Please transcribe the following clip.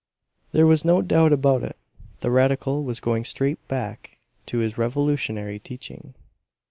There was no doubt about it; the radical was going straight back to his revolutionary teaching.